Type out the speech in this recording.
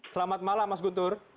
selamat malam mas guntur